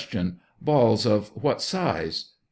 Balls of what size ?